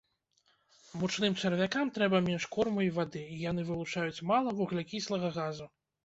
Мучным чарвякам трэба менш корму і вады, і яны вылучаюць мала вуглякіслага газу.